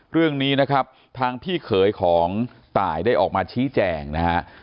เรื่องนี้นะครับทางพี่เขยของตายได้ออกมาชี้แจงนะฮะ